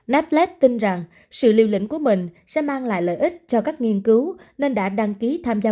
naplade tin rằng sự liều lĩnh của mình sẽ mang lại lợi ích cho các nghiên cứu nên đã đăng ký tham gia